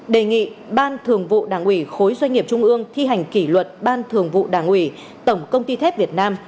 đề nghị ban thường vụ đảng ủy khối doanh nghiệp trung ương thi hành kỷ luật ban thường vụ đảng ủy tổng công ty thép việt nam